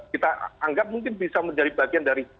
kita anggap mungkin bisa menjadi bagian dari